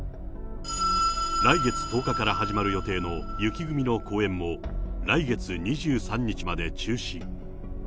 来月１０日から始まる予定の雪組の公演も、来月２３日まで中止。